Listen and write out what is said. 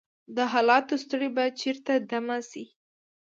د حالاتو ستړی به چیرته دمه شي؟